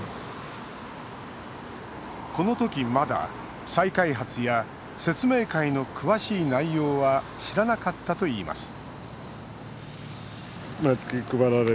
このとき、まだ再開発や説明会の詳しい内容は知らなかったといいます